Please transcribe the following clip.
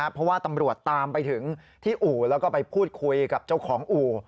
เพราะว่าตำรวจตามไปถึงที่อู่แล้วก็ไปพูดคุยกับเจ้าของอู่